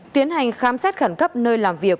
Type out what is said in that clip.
tiến hành khám xét khẩn cấp nơi làm việc